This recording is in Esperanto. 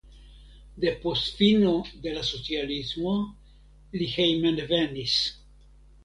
Depost fino de la socialismo li hejmenvenis.